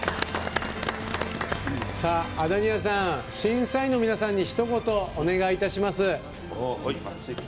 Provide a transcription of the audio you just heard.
安谷屋さん、審査員の皆さんにひと言、お願いいたします。